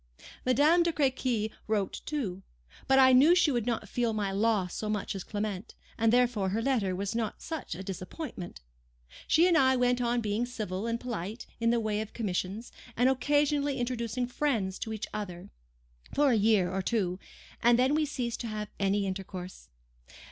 Madame de Crequy wrote too. But I knew she could not feel my loss so much as Clement, and therefore her letter was not such a disappointment. She and I went on being civil and polite in the way of commissions, and occasionally introducing friends to each other, for a year or two, and then we ceased to have any intercourse.